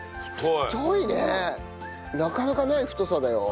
なかなかない太さだよ。